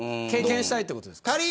経験したいってことですか。